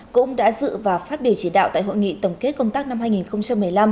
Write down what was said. cũng đã dự và phát biểu chỉ đạo tại hội nghị tổng kết công tác năm hai nghìn một mươi năm